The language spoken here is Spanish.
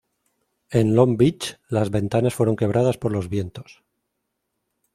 En Long Beach las ventanas fueron quebradas por los vientos.